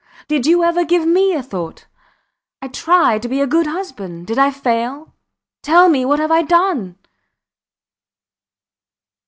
Did you ever give me a thought? I tried to be a good husband. Did I fail? Tell me what have I done?